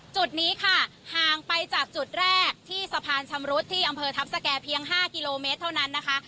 จุดนี้ค่ะห่างไปจากจุดแรกที่สะพานชำรุดที่อำเภอทัพสแก่เพียง๕กิโลเมตรเท่านั้นนะคะ